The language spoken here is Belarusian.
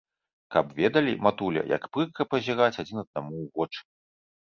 Каб ведалі, матуля, як прыкра пазіраць адзін аднаму ў вочы!